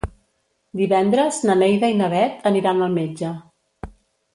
Divendres na Neida i na Bet aniran al metge.